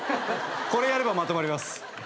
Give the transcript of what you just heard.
これやればまとまります。